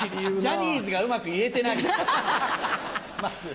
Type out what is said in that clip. ジャニーズがうまく言えてないです